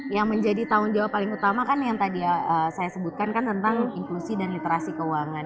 yang menjadi tanggung jawab paling utama kan yang tadi saya sebutkan kan tentang inklusi dan literasi keuangan